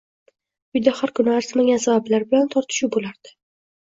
Uyda har kuni arzimagan sabablar bilan tortishuv bo`lardi